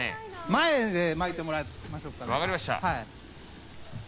前にいてもらいましょうか。